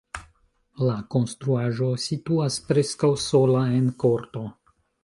La konstruaĵo situas preskaŭ sola en korto.